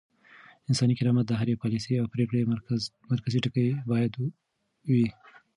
انساني کرامت د هرې پاليسۍ او پرېکړې مرکزي ټکی بايد وي.